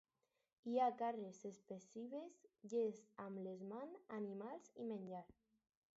Hi ha cares expressives, gests amb les mans, animals i menjar.